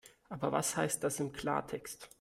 Aber was heißt das im Klartext?